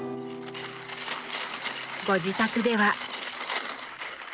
ご自宅では。